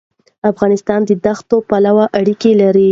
افغانستان د دښتو پلوه اړیکې لري.